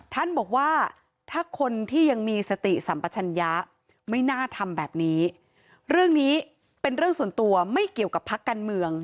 ท่านบอกว่าถ้าคนที่ยังมีสติสัมปชัญญะไม่น่าทำแบบนี้เรื่องนี้เป็นเรื่องส่วนตัวไม่เกี่ยวกับพักการเมือง